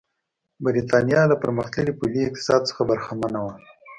برېټانیا له پرمختللي پولي اقتصاد څخه برخمنه وه.